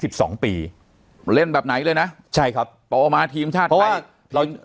สิบสองปีเล่นแบบไหนเลยนะใช่ครับโตมาทีมชาติไทยเรา